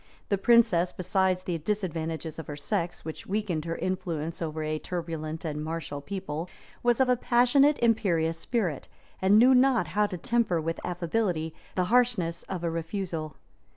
That princess, besides the disadvantages of her sex, which weakened her influence over a turbulent and martial people, was of a passionate, imperious spirit, and knew not how to temper with affability the harshness of a refusal.